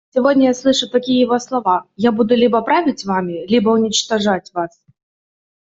Сегодня я слышу такие его слова: «Я буду либо править вами, либо уничтожать вас».